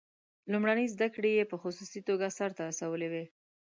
لومړنۍ زده کړې یې په خصوصي توګه سرته رسولې وې.